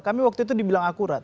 kami waktu itu dibilang akurat